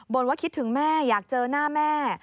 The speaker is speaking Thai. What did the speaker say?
ว่าคิดถึงแม่อยากเจอหน้าแม่